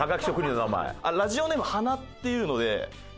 ラジオネーム鼻っていうので。